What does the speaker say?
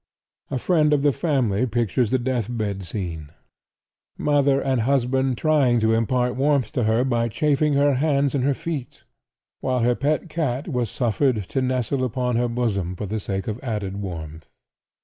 A friend of the family pictures the death bed scene—mother and husband trying to impart warmth to her by chafing her hands and her feet, while her pet cat was suffered to nestle upon her bosom for the sake of added warmth.